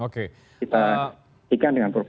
kita berikan dengan program ini